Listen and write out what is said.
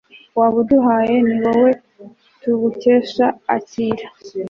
wabuduhaye. niwowe tubukesha akira